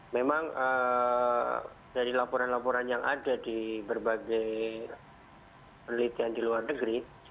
memang dari laporan laporan yang ada di berbagai penelitian di luar negeri